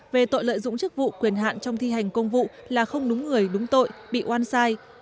về tội lợi dụng chức vụ quyền hạn trong thi hành công vụ là không đúng người đúng tội bị oan sai